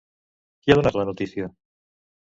Qui ha donat la notícia?